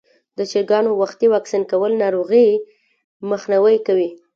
د چرګانو وختي واکسین کول ناروغۍ مخنیوی کوي.